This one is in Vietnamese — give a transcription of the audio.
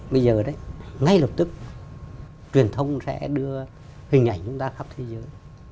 bây giờ đấy ngay lập tức truyền thông sẽ đưa hình ảnh chúng ta khắp thế giới